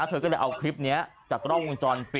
เขาก็มาอยู่ตรงนี้แล้วเขาก็เดินออกไป